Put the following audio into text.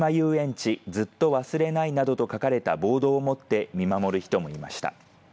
ちずっとわすれない、などと書かれたボードを持って見守る人もいました。